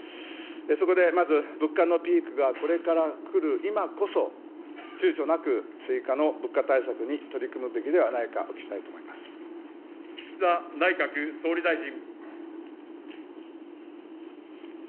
そこでまず、物価のピークがこれから来る今こそ、ちゅうちょなく追加の物価対策に取り組むべきではないか、お聞き岸田内閣総理大臣。